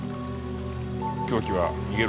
凶器は逃げる